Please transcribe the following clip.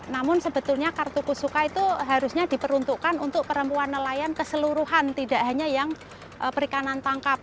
namun sebetulnya kartu kusuka itu harusnya diperuntukkan untuk perempuan nelayan keseluruhan tidak hanya yang perikanan tangkap